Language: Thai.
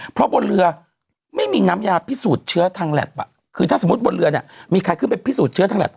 เพราะบนเรือไม่มีน้ำยาพิสูจน์เชื้อทางแล็บคือถ้าสมมุติบนเรือเนี่ยมีใครขึ้นไปพิสูจนเชื้อทางแล็บ